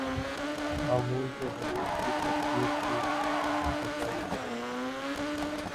معمول کے حروف کی ترتیب کی چھٹائی کریں